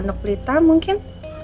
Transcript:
nek lita mungkin